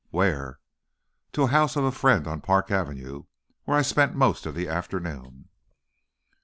"Where?" "To the house of a friend on Park Avenue, where I spent most of the afternoon."